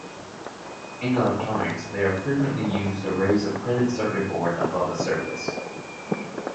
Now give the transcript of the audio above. In electronics they are frequently used to raise a printed-circuit board above a surface.